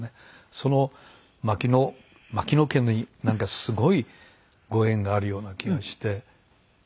そのマキノマキノ家になんかすごいご縁があるような気がして。